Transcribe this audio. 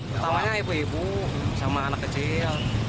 pertamanya ibu ibu sama anak kecil